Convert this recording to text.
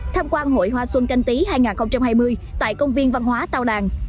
tham quan hội hoa xuân canh tý hai nghìn hai mươi tại công viên văn hóa tàu đàn